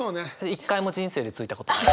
一回も人生でついたことない。